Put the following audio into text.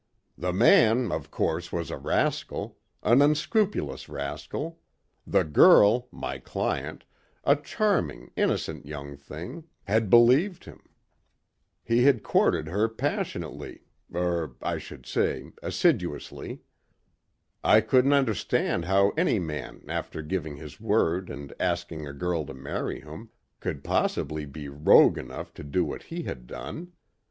"The man of course was a rascal. An unscrupulous rascal. The girl my client a charming, innocent young thing had believed him. He had courted her passionately, er, I should say assiduously. I couldn't understand how any man after giving his word and asking a girl to marry him could possibly be rogue enough to do what he had done.